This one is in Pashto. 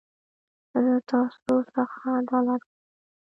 زه تاسو خڅه عدالت غواړم.